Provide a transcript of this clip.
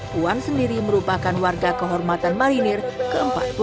puan sendiri merupakan warga kehormatan marinir ke empat puluh lima